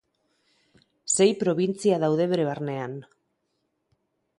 Sei probintzia daude bere barnean.